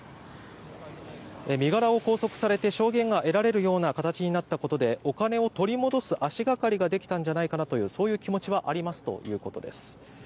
身柄を拘束されて証言が得られるような形になったことでお金を取り戻す足掛かりができたんじゃないかなというそういう気持ちはありますということです。